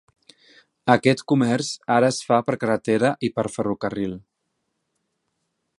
Aquest comerç ara es fa per carretera i ferrocarril.